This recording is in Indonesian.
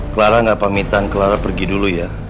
clara nggak pamitan clara pergi dulu ya